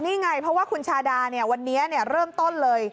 นี่ไงเพราะว่าคุณชาดาวันนี้เริ่มต้นเลย